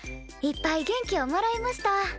いっぱい元気をもらいました。